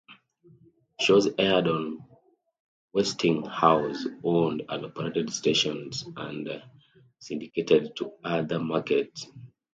Shows aired on Westinghouse owned and operated stations and syndicated to other markets.